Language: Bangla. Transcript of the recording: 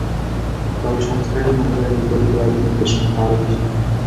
তবে সংস্থাটি মনে করে, রেকর্ডের বাইরে মৃতের সংখ্যা আরও অনেক বেশি।